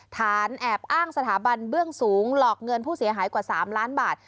ฐานแอบอ้างสถาบันเบื้องสูงหลอกเงินผู้เสียหายกว่า๓ล้านบาท